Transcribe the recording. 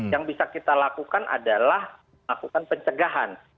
yang bisa kita lakukan adalah melakukan pencegahan